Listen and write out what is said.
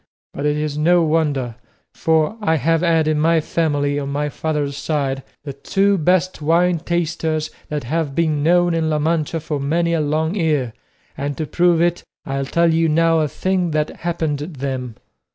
But it is no wonder, for I have had in my family, on my father's side, the two best wine tasters that have been known in La Mancha for many a long year, and to prove it I'll tell you now a thing that happened them.